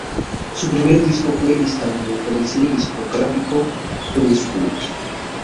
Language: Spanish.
Su primer disco fue "Istanbul" con el sello discográfico Brunswick.